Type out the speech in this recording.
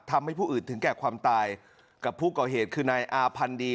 ทำให้ผู้อื่นถึงแก่ความตายกับผู้ก่อเหตุคือนายอาพันธ์ดี